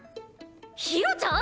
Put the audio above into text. ひろちゃん！？